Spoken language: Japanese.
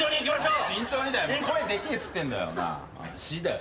声でけえっつってんだよ。